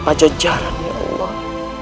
paja jalan ya allah